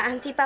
apaan sih pak